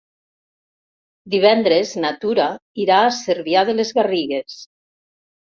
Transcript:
Divendres na Tura irà a Cervià de les Garrigues.